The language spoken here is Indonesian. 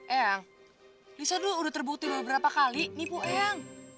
eyang lisa dulu udah terbukti beberapa kali nipu eyang